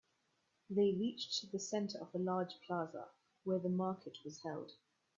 They reached the center of a large plaza where the market was held.